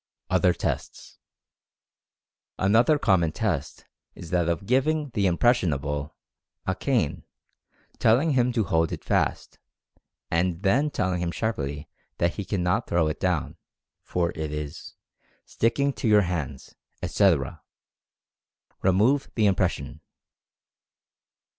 OTHER TESTS. Another common test is that of giving the "im pressionable" a cane, telling him to hold it fast, and then telling him sharply that he cannot throw it down, for it is "sticking to your hands," etc. Remove the impression.